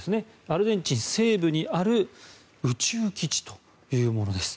アルゼンチン西部にある宇宙基地というものです。